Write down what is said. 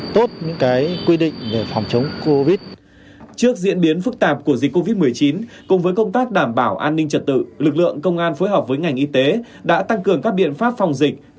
trước diễn biến phức tạp của dịch covid một mươi chín cùng với công tác đảm bảo an ninh trật tự lực lượng công an phối hợp với ngành y tế đã tăng cường các biện pháp phòng dịch